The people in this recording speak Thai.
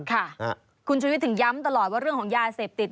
ค่ะคุณชุวิตถึงย้ำตลอดว่าเรื่องของยาเสพติด